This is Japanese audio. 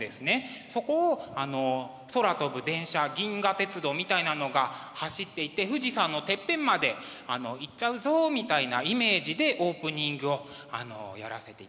そこを空飛ぶ電車銀河鉄道みたいなのが走っていて富士山のてっぺんまで行っちゃうぞみたいなイメージでオープニングをやらせていただきました。